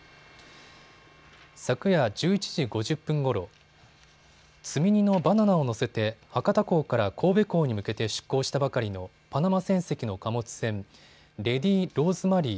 昨夜１１時５０分ごろ、積み荷のバナナを載せて博多港から神戸港に向けて出航したばかりのパナマ船籍の貨物船、ＬＡＤＹＲＯＳＥＭＡＲＹ